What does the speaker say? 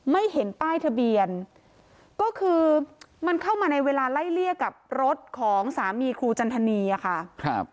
ไม่เห็นป้ายทะเบียนก็คือมันเข้ามาในเวลาไล่เลี่ยกับรถของสามีครูจันทนีอะค่ะครับ